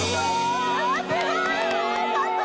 すごい！